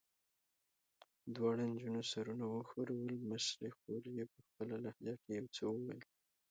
دواړو نجونو سرونه وښورول، مشرې خور یې په خپله لهجه کې یو څه وویل.